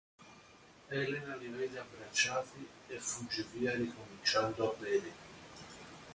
Elena li vede abbracciati e fugge via ricominciando a bere.